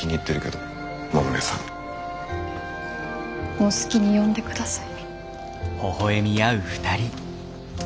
もう好きに呼んでください。